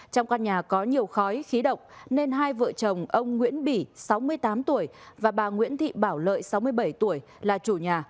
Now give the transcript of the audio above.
trong căn nhà có nhiều khói khí độc nên hai vợ chồng ông nguyễn bỉ sáu mươi tám tuổi và bà nguyễn thị bảo lợi sáu mươi bảy tuổi là chủ nhà